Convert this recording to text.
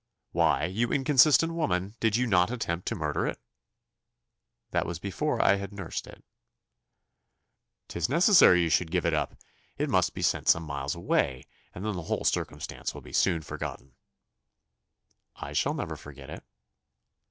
"Why, you inconsistent woman, did you not attempt to murder it?" "That was before I had nursed it." "'Tis necessary you should give it up: it must be sent some miles away; and then the whole circumstance will be soon forgotten." "I shall never forget it."